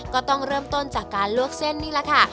ก็ต้องเริ่มต้นจากการลวกเส้นนี่แหละค่ะ